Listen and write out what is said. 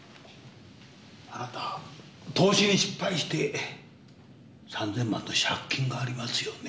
あなた投資に失敗して３千万の借金がありますよね？